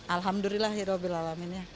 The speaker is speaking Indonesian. alhamdulillah hirau billahulaminya